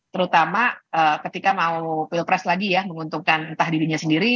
terutama ketika mau pilpres lagi ya menguntungkan entah dirinya sendiri